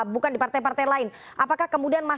bukan di partai partai lain apakah kemudian